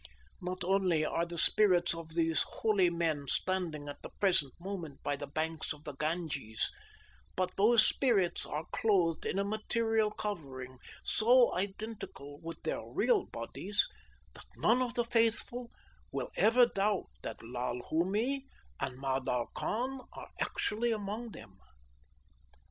Not only are the spirits of these holy men standing at the present moment by the banks of the Ganges, but those spirits are clothed in a material covering so identical with their real bodies that none of the faithful will ever doubt that Lal Hoomi and Mowdar Khan are actually among them.